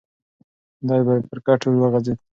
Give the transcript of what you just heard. دی پر کټ اوږد وغځېد.